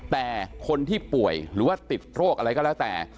แต่คนที่ป่วยหรือว่าติดโรคอะไรก็แล้วแต่